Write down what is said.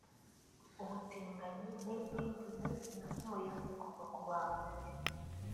ubutinganyi n’ibindi ni imivumo yanze kuva ku bantu